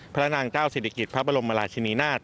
พระนางเจ้าศิริกิจพระบรมราชินีนาฏ